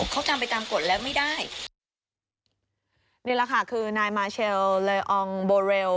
เขาทำไปตามกฎแล้วไม่ได้นี่แหละค่ะคือนายมาเชลเลอองโบเรล